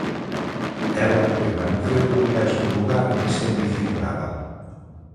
Ela permaneceu no mesmo lugar sen dicir nada.